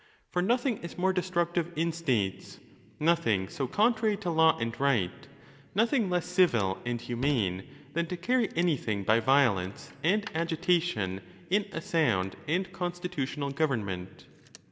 For nothing is more destructive in states, nothing so contrary to law and right, nothing less civil and humane, than to carry anything by violence and agitation in a sound and constitutional government.